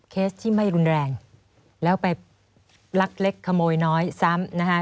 เคสที่ไม่รุนแรงแล้วไปลักเล็กขโมยน้อยซ้ำนะคะ